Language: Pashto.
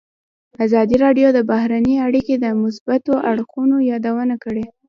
ازادي راډیو د بهرنۍ اړیکې د مثبتو اړخونو یادونه کړې.